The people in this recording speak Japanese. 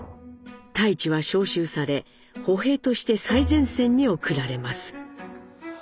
太市は召集され歩兵として最前線に送られます。